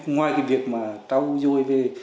ngoài cái việc mà trao dôi về